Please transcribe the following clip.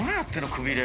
くびれ。